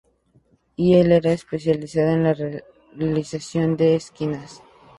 Él era especializado en la realización de esquinas.